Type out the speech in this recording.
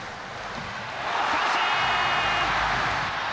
三振！